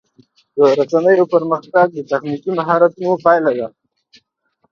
د رسنیو پرمختګ د تخنیکي مهارتونو پایله ده.